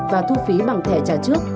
và thu phí bằng thẻ trà trước